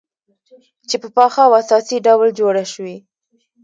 چې په پاخه او اساسي ډول جوړه شوې،